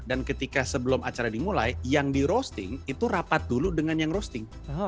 dan ketika sebelum acara dimulai yang di roasting itu rapat dulu dengan yang roasting